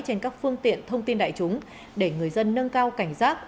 trên các phương tiện thông tin đại chúng để người dân nâng cao cảnh giác